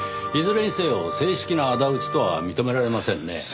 いずれにせよ正式な仇討ちとは認められませんね。